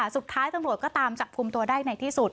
สุดท้ายตำรวจก็ตามจับกลุ่มตัวได้ในที่สุด